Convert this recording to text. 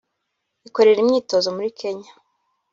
ikorera imyitozo muri Kenya